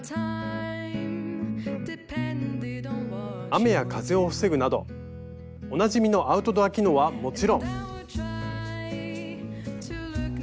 雨や風を防ぐなどおなじみのアウトドア機能はもちろん。